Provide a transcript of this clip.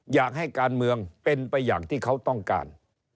อยากให้การเมืองเป็นไปอย่างที่เขาต้องการ